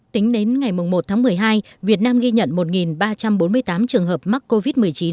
tính đến ngày một tháng một mươi hai việt nam ghi nhận một ba trăm bốn mươi tám trường hợp mắc covid một mươi chín